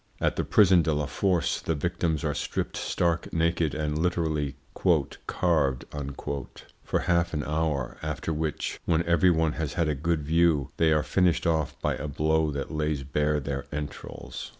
At the prison de la Force the victims are stripped stark naked and literally "carved" for half an hour, after which, when every one has had a good view, they are finished off by a blow that lays bare their entrails.